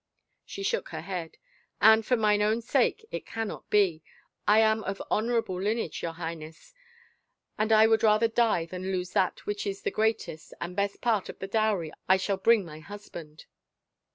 She shook her head. " And for mine own sake it can not be. I am of honorable lineage, your Highness, and I would rather die than lose that which is the greatest and best part of the dowry I shall bring my husband."